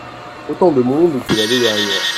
Autant de monde que l'année dernière.